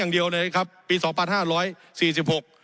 อย่างเดียวเลยครับปีสองพันห้าร้อยสี่สิบหก